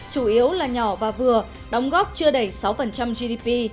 chủ yếu là nhỏ và vừa đóng góp chưa đầy sáu gdp